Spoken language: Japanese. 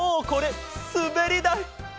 これすべりだい。